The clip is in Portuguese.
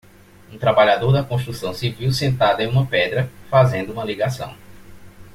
um trabalhador da construção civil sentado em uma pedra, fazendo uma ligação.